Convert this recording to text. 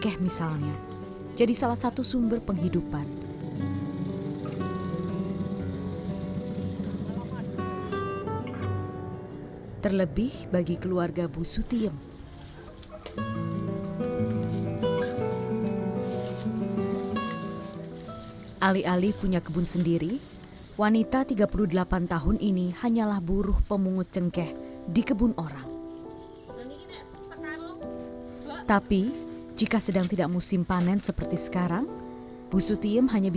hai teman teman selamat pagi